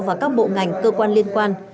và các bộ ngành cơ quan liên quan